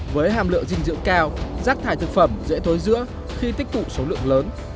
với hàm lượng dinh dưỡng cao rác thải thực phẩm dễ thối dữa khi tích cụ số lượng lớn